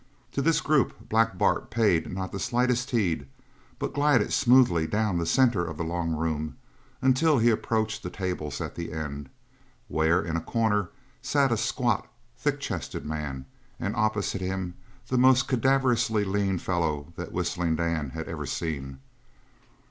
To this group Black Bart paid not the slightest heed but glided smoothly down the centre of the long room until he approached the tables at the end, where, in a corner, sat a squat, thick chested man, and opposite him the most cadaverously lean fellow that Whistling Dan had ever seen.